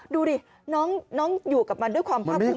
ดูดิน้องอยู่กับมันด้วยความภาคภูมิ